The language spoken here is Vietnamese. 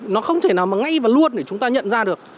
nó không thể nào mà ngay và luôn để chúng ta nhận ra được